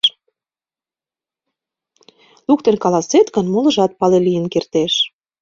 Луктын каласет гын, молыжат пале лийын кертеш.